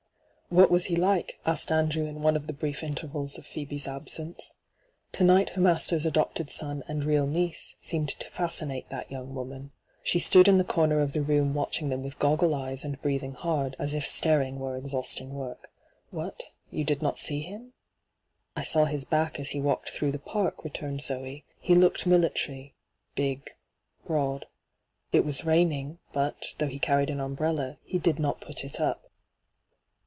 ' What was he like ?' asked Andrew in one of the brief intervals of Phoebe's absence. To night her master's adopted son and real niece seemed to fascinate that young woman. She stood in the corner of the room watching them with goggle eyes and breathing hard, as if starii^ were exhausting work. ' What ? You did not see him V ' I saw his back as he walked throagh the park,' returned Zee. ' He looked military — big, broad. It was raining, but, though he carried an umbrella, he did not put it up.